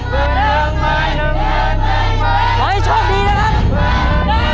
ขอให้โชคดีนะครับ